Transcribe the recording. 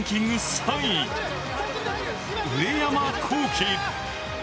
３位上山紘輝。